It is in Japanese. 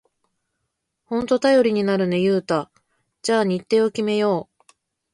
ほんと頼りになるね、ユウタ。じゃあ日程を決めよう！